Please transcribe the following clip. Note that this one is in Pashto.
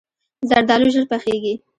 زردالو ژر پخیږي.